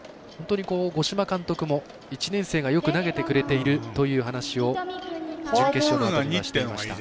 五島監督も、１年生がよく投げてくれているという話を準決勝の中では、していました。